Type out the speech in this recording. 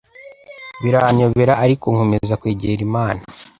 Biranyobera, ariko nkomeza kwegera Imana